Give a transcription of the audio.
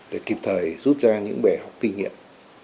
để kịp thời rút ra những bài học kinh nghiệm